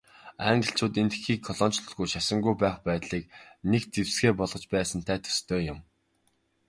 Англичууд Энэтхэгийг колоничлохгүй, шашингүй байх байдлыг нэг зэвсгээ болгож байсантай төстэй юм.